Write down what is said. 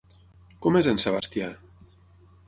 Com és en Sebastià?